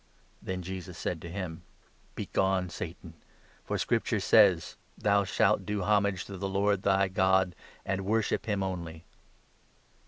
Then Jesus said to him : "Begone, Satan ! for Scripture says —' Thou shalt do homage to the Lord thy God, and worship him only.'